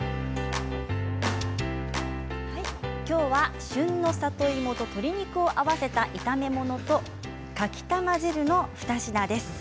きょうは旬の里芋と鶏肉を合わせた炒め物とかきたま汁の２品です。